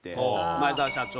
前澤社長。